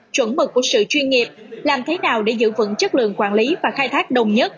chuẩn mực của sự chuyên nghiệp làm thế nào để giữ vững chất lượng quản lý và khai thác đồng nhất